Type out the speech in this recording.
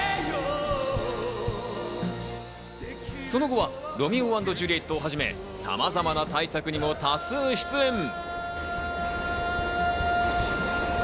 その後は、『ロミオ＆ジュリエット』をはじめ、さまざまな大作にも多数出演。